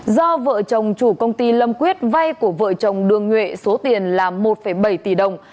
do vợ chồng chủ công ty lâm quyết vay của vợ chồng đường nhuệ số tiền là một bảy tỷ đồng